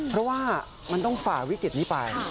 เพราะว่ามันต้องฝ่าวิกฤตนี้ไป